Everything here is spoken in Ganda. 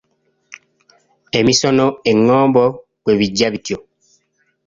Emisono, engombo bwe bijja bityo.